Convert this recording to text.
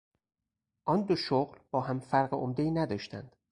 آن دو شغل با هم فرق عمدهای نداشتند.